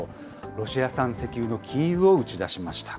ロシア産石油の禁輸を打ち出しました。